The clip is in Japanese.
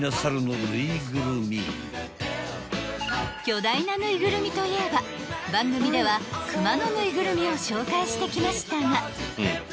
［巨大なぬいぐるみといえば番組ではクマのぬいぐるみを紹介してきましたがａｏ